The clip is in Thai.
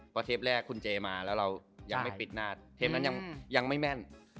เพราะเทปแรกคุณเจมาแล้วเรายังไม่ปิดหน้าเทปนั้นยังไม่แม่น